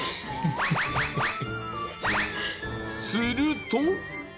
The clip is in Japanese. すると。